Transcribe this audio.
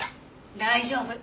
大丈夫！